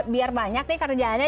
biar banyak nih kerjaannya